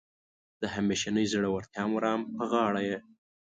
د همیشنۍ زړورتیا مرام په غاړه یې.